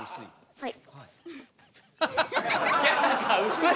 はい。